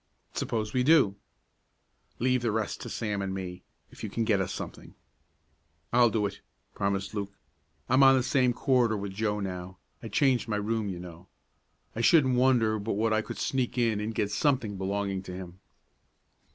"Suppose we do?" "Leave the rest to Sam and me, if you can get us something." "I'll do it!" promised Luke. "I'm on the same corridor with Joe now; I changed my room, you know. I shouldn't wonder but what I could sneak in and get something belonging to him."